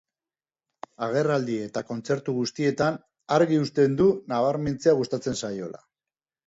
Agerraldi eta kontzertu guztietan argi uzten du nabarmentzea gustatzen zaiola.